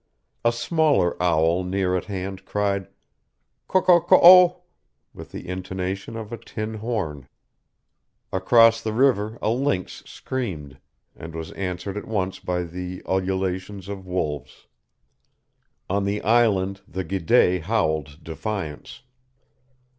A smaller owl near at hand cried ko ko ko oh with the intonation of a tin horn. Across the river a lynx screamed, and was answered at once by the ululations of wolves. On the island the giddés howled defiance.